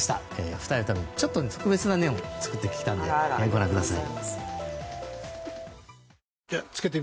２人も、ちょっと特別なネオンを作ってきたのでご覧ください。